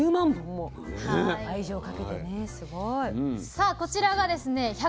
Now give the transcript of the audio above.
さあこちらがですね１００％